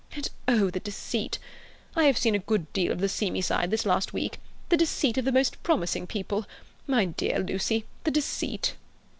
And oh, the deceit! I have seen a good deal of the seamy side this last week. The deceit of the most promising people. My dear Lucy, the deceit!"